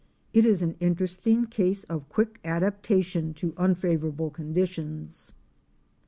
It is an interesting case of quick adaptation to unfavorable conditions.